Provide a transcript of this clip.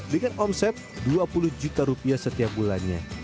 dengan omset rp dua puluh juta setiap bulannya